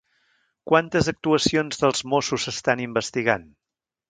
Quantes actuacions dels Mossos s'estan investigant?